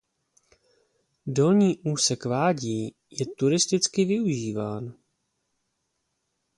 Dolní úsek vádí je turisticky využíván.